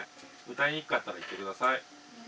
歌いにくかったら言ってください。